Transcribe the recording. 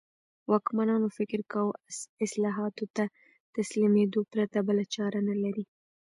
واکمنانو فکر کاوه اصلاحاتو ته تسلیمېدو پرته بله چاره نه لري.